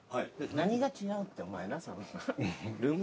何が違うってお前なその。